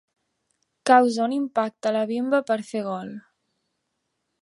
Causa un impacte a la bimba per fer gol.